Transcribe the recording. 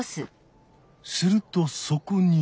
するとそこに。